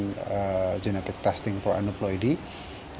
dan juga teknologi untuk mencari penyelenggaraan yang lebih mudah